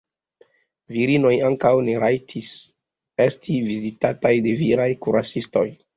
Virinoj ankaŭ ne rajtis esti vizitataj de viraj kuracistoj.